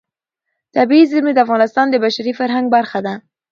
طبیعي زیرمې د افغانستان د بشري فرهنګ برخه ده.